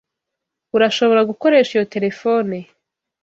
Urashobora gukoresha iyo terefone.